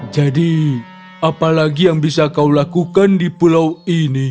jadi apalagi yang bisa kau lakukan di pulau ini